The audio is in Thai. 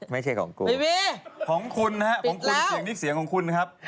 ไม่ใช่ของกูปิดแล้วของคุณนะครับคุณสิ่งที่เสียงของคุณนะครับ